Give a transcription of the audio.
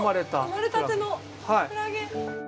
生まれたてのクラゲ。